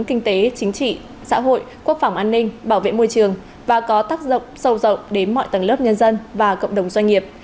kinh tế chính trị xã hội quốc phòng an ninh bảo vệ môi trường và có tác dụng sâu rộng đến mọi tầng lớp nhân dân và cộng đồng doanh nghiệp